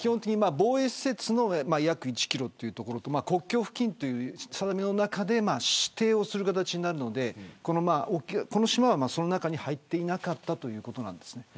防衛施設の約１キロというところと国境付近という中で指定をする形になるのでこの島は、その中に入っていなかったということです。